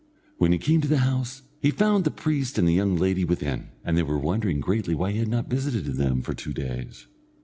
When he came to the house, he found the priest and the young lady within, and they were wondering greatly why he had not visited them for two days.